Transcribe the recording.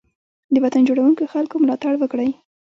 د وطن جوړونکو خلګو ملاتړ وکړئ.